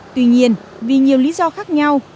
tuy nhiên vì nhiều lý do khác nhau